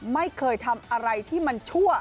ไม่เคยทำอะไรที่มันชั่ว